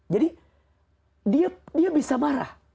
jadi dia bisa marah